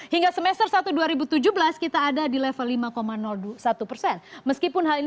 hingga semester satu dua ribu tujuh belas kita ada di level lima satu persen